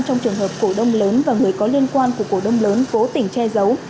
trong trường hợp cổ đông lớn và người có liên quan của cổ đông lớn cố tình che giấu